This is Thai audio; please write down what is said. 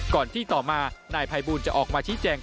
ก่อนที่ต่อมานายภัยบูลจะออกมาชี้แจง